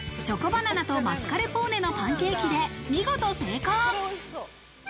チョコバナナとマスカルポーネのパンケーキで見事成功。